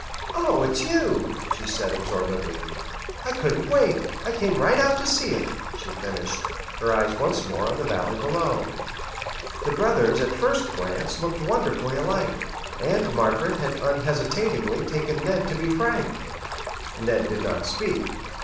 "Oh, it's you," she said absorbedly. "I couldn't wait. I came right out to see it," she finished, her eyes once more on the valley below. The brothers, at first glance, looked wonderfully alike, and Margaret had unhesitatingly taken Ned to be Frank. Ned did not speak.